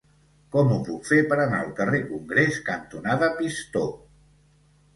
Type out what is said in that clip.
Com ho puc fer per anar al carrer Congrés cantonada Pistó?